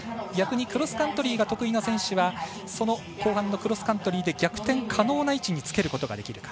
逆にクロスカントリーが得意な選手は後半のクロスカントリーで逆転可能な位置につける。